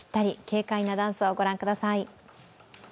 軽快なダンスを御覧ください。